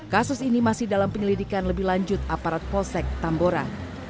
kasus ini masih dalam penyelidikan lebih lanjut aparat polsek tambora